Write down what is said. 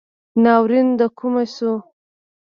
ناورین دکومه شو